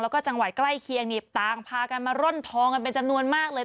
แล้วก็จังหวัดใกล้เคียงนี่ต่างพากันมาร่อนทองกันเป็นจำนวนมากเลย